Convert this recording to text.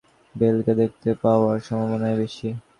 তিন নম্বরে ট্রটের শূন্য স্থানে ইয়ান বেলকে দেখতে পাওয়ার সম্ভাবনাই বেশি।